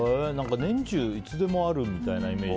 年中いつでもあるみたいなイメージ。